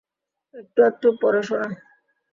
একটু-আধটু পড়ে শোনায়।